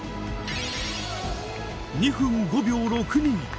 ２分５秒６２。